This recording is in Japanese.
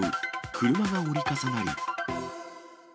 車が折り重なり。